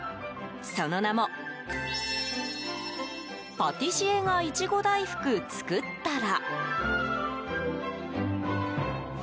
その名もパティシエが苺大福作ったら。